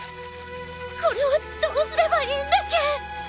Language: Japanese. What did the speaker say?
これをどうすればいいんだっけ！？